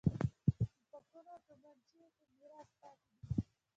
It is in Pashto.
توپکونه او تومانچې یې په میراث پاتې دي.